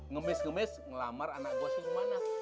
ngemis ngemis ngelamar anak gua si rumana